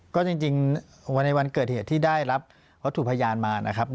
ก็จริงวันในวันเกิดเหตุที่ได้รับวัตถุพยานมานะครับ